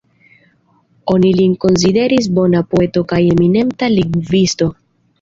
Oni lin konsideris bona poeto kaj eminenta lingvisto.